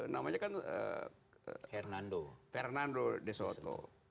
namanya kan hernando fernando de soto